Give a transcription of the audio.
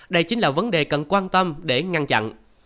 đây chính là vấn đề cần quan tâm để ngăn chặn